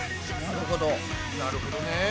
なるほどね。